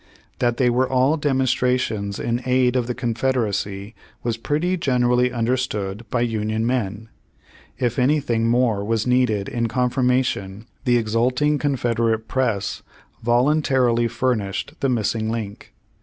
That they were all demonstrations in aid of the Confederacy was pretty generally understood by Union men. If any thing more was needed in confirmation the exulting Confederate press voluntarily furnished the missing link.